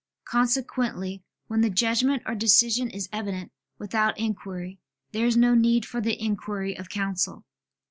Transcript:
Consequently when the judgment or decision is evident without inquiry, there is no need for the inquiry of counsel.